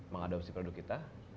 mengadopsi produk kita